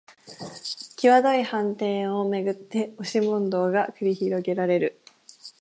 きわどい判定をめぐって押し問答が繰り広げられる